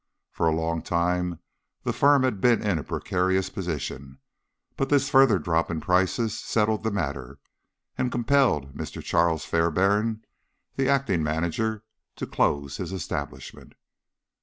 For a long time the firm had been in a precarious position, but this further drop in prices settled the matter, and compelled Mr. Charles Fairbairn, the acting manager, to close his establishment.